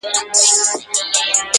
تنکی رويباره له وړې ژبي دي ځارسم که نه.